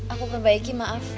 aku perbaiki maaf